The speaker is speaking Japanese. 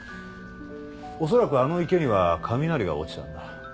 恐らくあの池には雷が落ちたんだ。